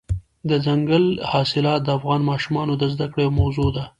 دځنګل حاصلات د افغان ماشومانو د زده کړې یوه موضوع ده.